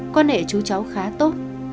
quan hệ chú cháu khá tốt